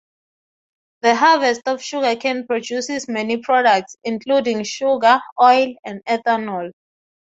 The harvest of sugarcane produces many products, including sugar, oil, and ethanol.